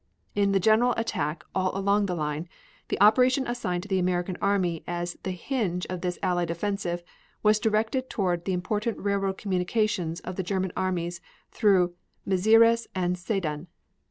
In the general attack all along the line, the operation assigned the American army as the hinge of this Allied offensive was directed toward the important railroad communications of the German armies through Mezieres and Sedan.